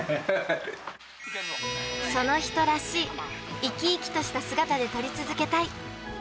その人らしい生き生きとした姿で撮り続けたい。